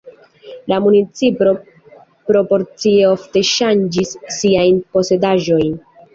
La municipo proporcie ofte ŝanĝis siajn posedaĵojn.